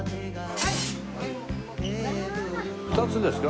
２つですか？